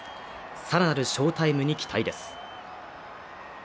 更なる翔タイムに期待です。